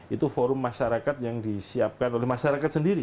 itu forum masyarakat yang disiapkan oleh masyarakat sendiri